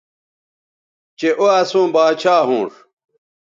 چہء او اسوں باچھا ھونݜ